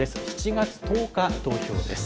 ７月１０日投票です。